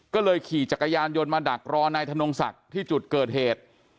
ก็เลยขี่จักรยานยนต์มาดักรอนายธนงศักดิ์ที่จุดเกิดเหตุ